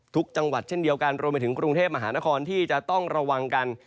จังหวัดเช่นเดียวกันรวมไปถึงกรุงเทพมหานครที่จะต้องระวังกัน